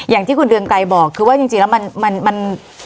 อย่างที่คุณเรืองไกรบอกคือว่าจริงแล้วมัน